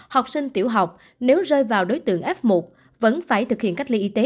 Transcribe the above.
học sinh tiểu học nếu rơi vào đối tượng f một vẫn phải thực hiện cách ly y tế